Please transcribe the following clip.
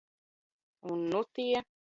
Un nu tie